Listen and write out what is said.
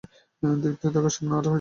দেখতে থাকো স্বপ্ন, আর হইছে আমাদের বিয়ে।